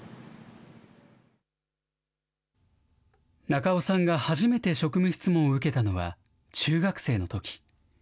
中尾さんが初めて職務質問を受けたのは中学生のとき。